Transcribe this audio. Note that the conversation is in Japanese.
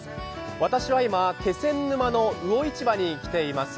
私は今、気仙沼の魚市場に来ています。